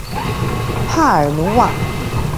帕尔鲁瓦。